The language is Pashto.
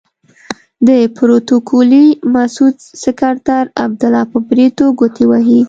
د پروتوکولي مسعود سکرتر عبدالله په بریتو ګوتې وهي.